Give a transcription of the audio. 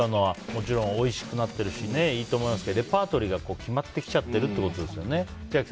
もちろんおいしくなってるしいいと思いますけどレパートリーが決まってきちゃってるってことですよね。